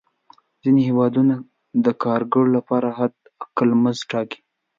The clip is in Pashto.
ځینې هېوادونه د کارګرو لپاره حد اقل مزد ټاکي.